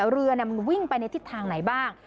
เรือมันวิ่งไปในทิศทางไหนบ้าง